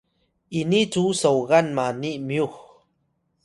ini cu soya mani myux